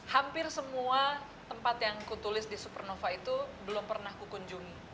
hampir semua tempat yang kutulis di supernova itu belum pernah kunjungi